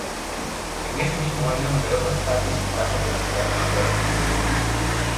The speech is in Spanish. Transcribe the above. En ese mismo año numerosas calles y plazas de la ciudad cambiaron de nombre.